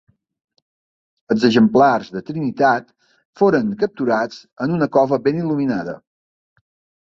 Els exemplars de Trinitat foren capturats en una cova ben il·luminada.